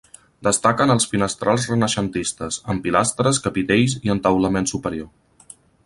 Destaquen els finestrals renaixentistes, amb pilastres, capitells i entaulament superior.